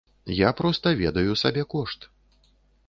Я проста ведаю сабе кошт.